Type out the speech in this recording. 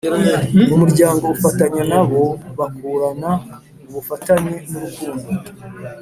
mu muryango ufatanya na bo bakurana ubufatanye n’urukundo